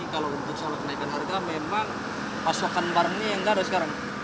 kalau untuk soal kenaikan harga memang pasokan barang ini enggak ada sekarang